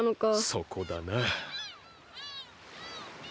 そこだな。